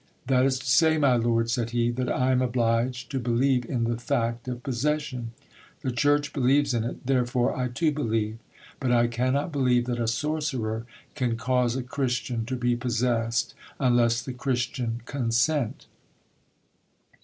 "'That is to say, my lord,' said he; 'that I am obliged to believe in the fact of possession. The Church believes in it, therefore I too believe; but I cannot believe that a sorcerer can cause a Christian to be possessed unless the Christian consent.